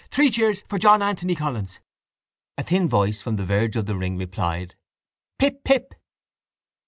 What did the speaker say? Three cheers for John Anthony Collins! A thin voice from the verge of the ring replied: —Pip! pip!